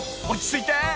落ち着いて］